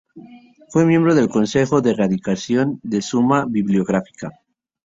Fue miembro del consejo de redacción de Suma Bibliográfica.